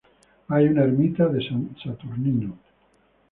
Hay una ermita de San Saturnino.